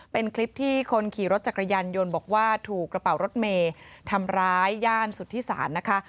เป็นคลิปที่คนขี่รถจักรยานยนต์บอกว่าถูกกระเป๋ารถเมย์ทำร้ายย่านสุธิศาลนะคะ